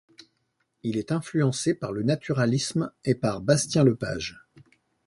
Il est influencé par le naturalisme et par Bastien-Lepage.